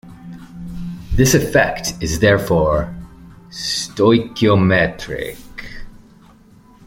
This effect is therefore stoichiometric.